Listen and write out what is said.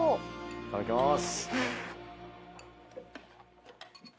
いただきます。